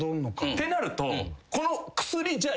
ってなると。